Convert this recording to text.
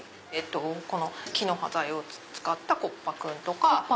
木の端材を使ったコッパクンとか。